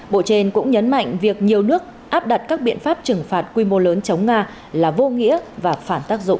bộ trên cũng nhấn mạnh việc nhiều nước áp đặt các biện pháp trừng phạt quy mô lớn chống nga là vô nghĩa và phản tác dụng